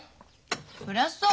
そりゃそうよ。